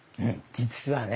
実はね